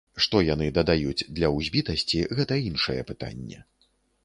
Што яны дадаюць, для узбітасці, гэта іншае пытанне.